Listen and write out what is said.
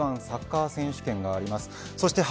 １サッカー選手権があります。